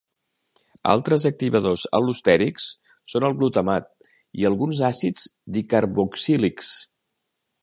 Altres activadors al·lostèrics són el glutamat i alguns àcids dicarboxílics.